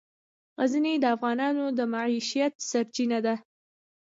غزني د افغانانو د معیشت سرچینه ده.